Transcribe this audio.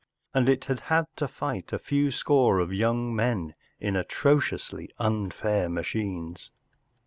And it had had to fight a few score of young men in atrociously unfair machines